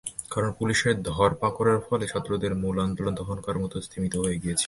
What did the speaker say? কারণ, পুলিশের ধরপাকড়ের ফলে ছাত্রদের মূল আন্দোলন তখনকার মতো স্তিমিত হয়ে গিয়েছিল।